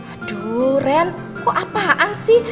aduh ren kok apaan sih